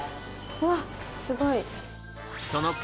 うわっすごい。